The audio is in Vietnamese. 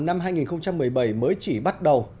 năm hai nghìn một mươi bảy mới chỉ bắt đầu